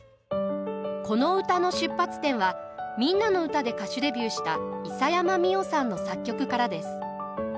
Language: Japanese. この歌の出発点は「みんなのうた」で歌手デビューした諫山実生さんの作曲からです。